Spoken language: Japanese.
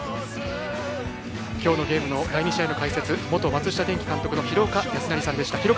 きょうのゲームの第２試合の解説元松下電器監督の廣岡資生さんでした。